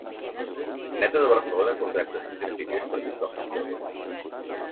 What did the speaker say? Metro de Barcelona contracta sis grafiters per pintar els seus vagons